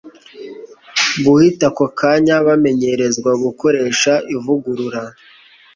guhita ako kanya bamenyerezwa gukoresha ivugurura